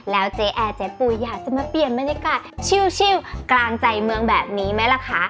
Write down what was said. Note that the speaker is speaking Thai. แล้วเจ๊แอร์เจ๊ปุ๋ยอยากจะมาเปลี่ยนบรรยากาศชิลกลางใจเมืองแบบนี้ไหมล่ะคะ